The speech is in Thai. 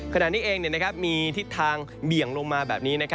ขณะนี้เองเนี่ยนะครับมีทิศทางเบี่ยงลงมาแบบนี้นะครับ